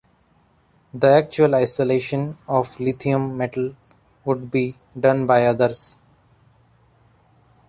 The actual isolation of lithium metal would be done by others.